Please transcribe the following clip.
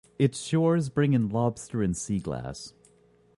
Its shores bring in lobster and sea glass.